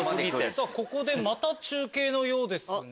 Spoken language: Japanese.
ここでまた中継のようですね。